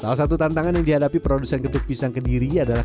salah satu tantangan yang dihadapi produsen ketuk pisang kediri adalah